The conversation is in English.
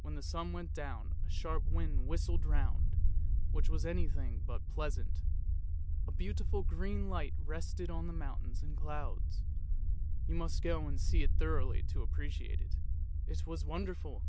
When the sun went down, a sharp wind whistled round, which was anything but pleasant, but a beautiful green light rested on mountains and clouds — you must go and see it thoroughly to appreciate it. It was wonderful!